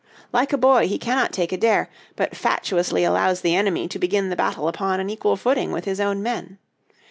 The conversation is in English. Like a boy, he cannot take a dare, but fatuously allows the enemy to begin the battle upon an equal footing with his own men.